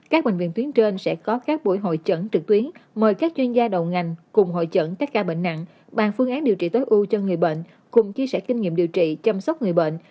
các bệnh viện tuyến trên sẽ có các buổi hội trận trực tuyến mời các chuyên gia đầu ngành cùng hội chẩn các ca bệnh nặng bằng phương án điều trị tối ưu cho người bệnh cùng chia sẻ kinh nghiệm điều trị chăm sóc người bệnh